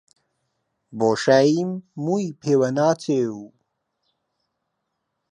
بۆشاییم مووی پێوە ناچێ و